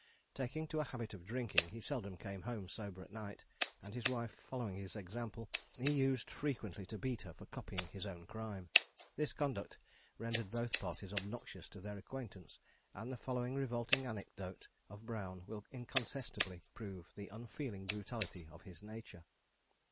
Taking to a habit of drinking, he seldom came home sober at night; and his wife following his example, he used frequently to beat her for copying his own crime. This conduct rendered both parties obnoxious to their acquaintance; and the following revolting anecdote of Brown will incontestably prove the unfeeling brutality of his nature.